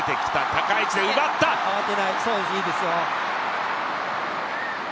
慌てない、いいですよ。